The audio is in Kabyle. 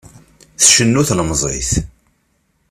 Tcennu tlemẓit.